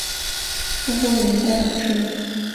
中国人在等车